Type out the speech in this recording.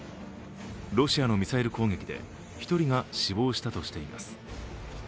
ロシアのミサイル攻撃で１人が死亡したとしています。